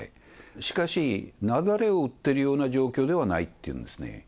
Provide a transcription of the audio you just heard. しかし雪崩を打ってるような状況ではないっていうんですね。